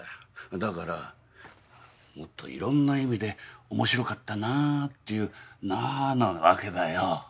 だからもっといろんな意味でおもしろかったなっていう「なぁ」なわけだよ。